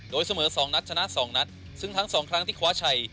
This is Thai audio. โดยเสมอ๒นัดชนะ๒นัดซึ่งทั้งสองครั้งที่คว้าชัย